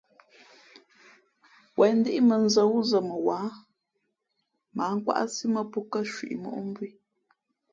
Wěn ndíʼ mᾱnzᾱ wúzᾱ mα wáha mα ǎ nkwáʼsí mά pó kάcwiʼ moʼ mbú í.